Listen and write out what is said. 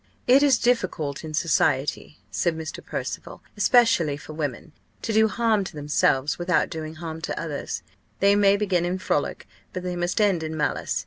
"It is difficult in society," said Mr. Percival, "especially for women, to do harm to themselves, without doing harm to others. They may begin in frolic, but they must end in malice.